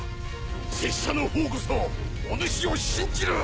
拙者の方こそおぬしを信じる！